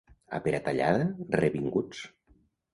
A Peratallada, revinguts.